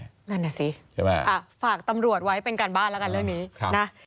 นั่นแหละสิฝากตำรวจไว้เป็นการบ้านละกันเรื่องนี้นะครับ